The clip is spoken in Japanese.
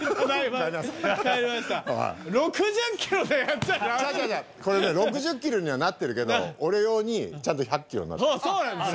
違う違うこれね６０キロにはなってるけど俺用にちゃんと１００キロになってるあっそうなんですね